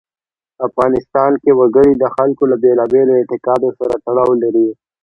افغانستان کې وګړي د خلکو له بېلابېلو اعتقاداتو سره تړاو لري.